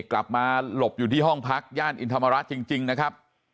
กลับมาหลบอยู่ที่ห้องพักย่านอินธรรมระจริงนะครับ